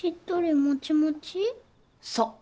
そう。